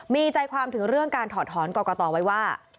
มีใจความถึงเรื่องการถอดถอนกรกตไว้ว่า